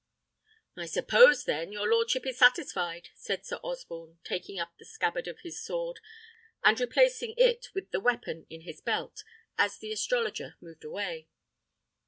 "I suppose, then, your lordship is satisfied," said Sir Osborne, taking up the scabbard of his sword, and replacing it with the weapon in his belt, as the astrologer moved away.